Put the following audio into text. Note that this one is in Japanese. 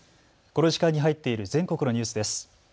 この時間に入っている全国のニュースです。